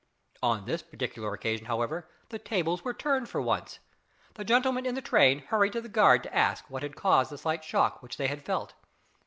On this particular occasion, however, the tables were turned for once. The gentlemen in the train hurried to the guard to ask what had caused the slight shock which they had felt.